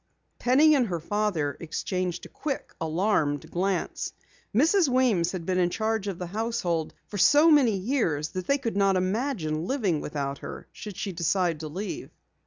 Penny and her father exchanged a quick, alarmed glance. Mrs. Weems had been in charge of the household for so many years that they could not imagine living without her, should she decide to leave.